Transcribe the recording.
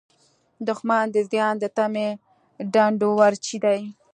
دښمن د زیان د تمې ډنډورچی دی